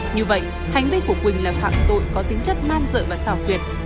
như vậy hành vi của quỳnh là phạm tội có tính chất man rợi và xảo quyệt